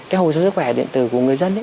cái hồ sơ sức khỏe điện tử của người dân